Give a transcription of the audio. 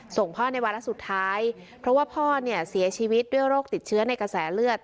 ส่งพ่อในวาระสุดท้ายเพราะว่าพ่อเนี่ยเสียชีวิตด้วยโรคติดเชื้อในกระแสเลือด